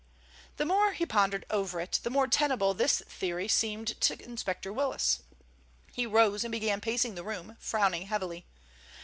The more he pondered over it, the more tenable this theory seemed to Inspector Willis. He rose and began pacing the room, frowning heavily.